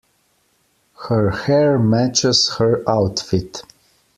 Her hair matches her outfit.